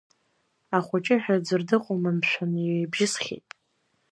Ахәыҷы ҳәа ӡәыр дыҟоума мшәан, ибжьысхьеит…